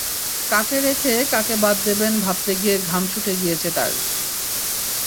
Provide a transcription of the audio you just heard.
কাকে রেখে কাকে বাদ দেবেন ভাবতে গিয়ে ঘাম ছুটে গিয়েছে তাঁর।